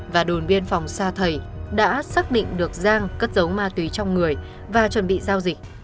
và đồn biên phòng sa thầy đã xác định được giang cất dấu ma túy trong người và chuẩn bị giao dịch